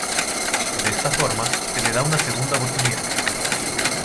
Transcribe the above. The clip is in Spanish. De esta forma, se le da una segunda oportunidad.